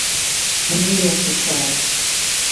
"I knew it," he cried.